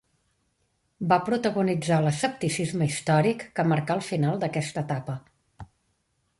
Va protagonitzar l'escepticisme històric que marcà el final d'aquesta etapa.